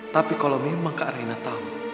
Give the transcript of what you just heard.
tapi kalau memang kak raina tahu